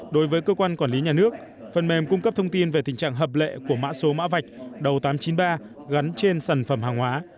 đối với cơ quan quản lý nhà nước phần mềm cung cấp thông tin về tình trạng hợp lệ của mã số mã vạch đầu tám trăm chín mươi ba gắn trên sản phẩm hàng hóa